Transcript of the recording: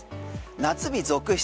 夏日続出。